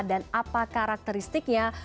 dan apa karakteristiknya